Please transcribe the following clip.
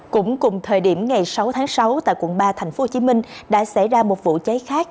cũng cùng thời điểm ngày sáu tháng sáu tại quận ba tp hcm đã xảy ra một vụ cháy khác